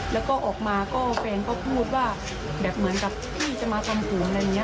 แล้วก็ออกมาก็แฟนก็พูดว่าแบบเหมือนกับพี่จะมาทำผมอะไรอย่างนี้